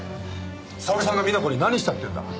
沙織さんが美奈子に何したっていうんだ？